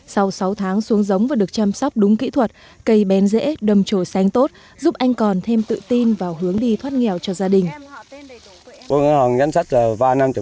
sau sáu tháng xuống giống và được chăm sóc đúng kỹ thuật cây bén dễ đầm trồi xanh tốt giúp anh còn thêm tự tin vào hướng đi thoát nghèo cho gia đình